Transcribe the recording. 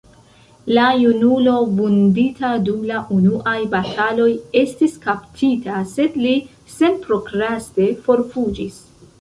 La junulo, vundita dum la unuaj bataloj, estis kaptita, sed li senprokraste forfuĝis.